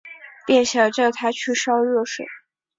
便想叫她去烧热水